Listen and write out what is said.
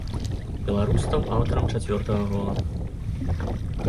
Беларус стаў аўтарам чацвёртага гола.